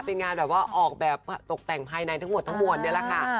เป็นงานแบบว่าออกแบบตกแต่งภายในทั้งหมดทั้งมวลนี่แหละค่ะ